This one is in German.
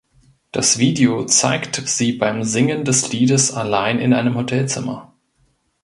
Das Video zeigt sie beim Singen des Liedes allein in einem Hotelzimmer.